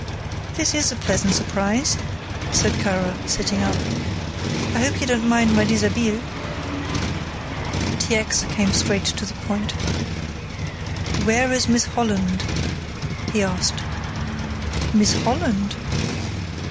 "This is a pleasant surprise," said Kara, sitting up; "I hope you don't mind my dishabille." T. X. came straight to the point. "Where is Miss Holland!" he asked. "Miss Holland?"